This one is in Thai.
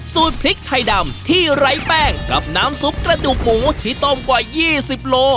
พริกไทยดำที่ไร้แป้งกับน้ำซุปกระดูกหมูที่ต้มกว่า๒๐โล